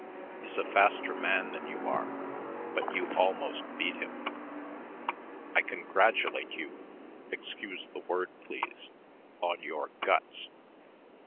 He's a faster man than you are, but you almost beat him. I congratulate you excuse the word, please on your guts."